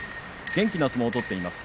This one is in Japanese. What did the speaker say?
元気な相撲を取っています。